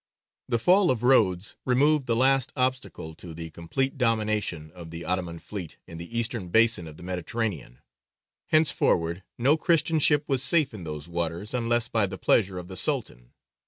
The fall of Rhodes removed the last obstacle to the complete domination of the Ottoman fleet in the eastern basin of the Mediterranean. Henceforward no Christian ship was safe in those waters unless by the pleasure of the Sultan.